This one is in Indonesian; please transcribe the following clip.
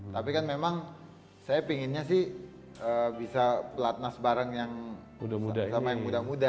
tapi kan memang saya pinginnya sih bisa pelatnas bareng yang sama yang muda muda